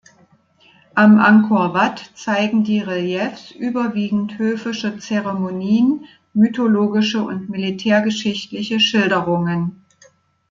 Am Angkor Wat zeigen die Reliefs überwiegend höfische Zeremonien, mythologische und militärgeschichtliche Schilderungen.